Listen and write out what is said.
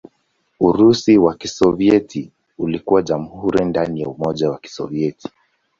Urusi wa Kisovyeti ulikuwa jamhuri ndani ya Umoja wa Kisovyeti.